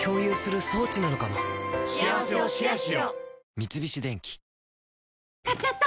三菱電機買っちゃった！